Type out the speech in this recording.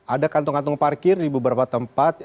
ada kantong kantong parkir di beberapa tempat